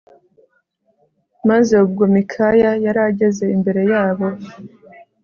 maze ubwo Mikaya yari ageze imbere yabo